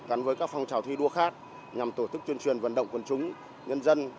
cắn với các phong trào thi đua khác nhằm tổ chức chuyên truyền vận động quân chúng nhân dân